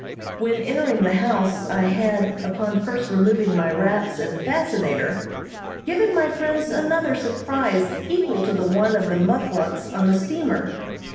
When entering the house I had, upon first removing my wraps and "fascinator," given my friends another surprise equal to the one of the muckluks on the steamer.